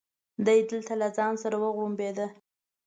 دی دلته له ځان سره غوړمبېده.